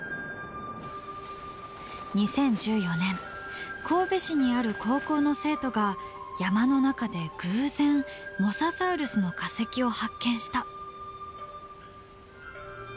２０１４年神戸市にある高校の生徒が山の中で偶然モササウルスの化石を発見した。